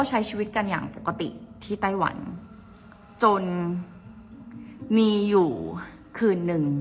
ใช้ชีวิตกันอย่างปกติที่ไต้หวันจนมีอยู่คืนหนึ่ง